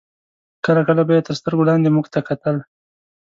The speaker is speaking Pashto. کله کله به یې تر سترګو لاندې موږ ته کتل.